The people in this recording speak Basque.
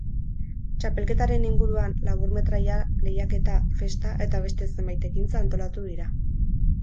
Txapelketaren inguruan laburmetraia lehiaketa, festa, eta beste zenbait ekintza antolatu dira.